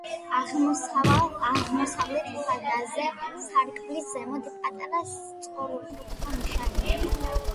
აღმოსავლეთ ფასადზე, სარკმლის ზემოთ, პატარა სწორკუთხა ნიშია.